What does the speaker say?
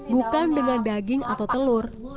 bukan dengan daging atau telur